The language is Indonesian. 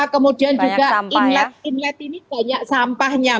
kemudian juga inlet inlet ini banyak sampah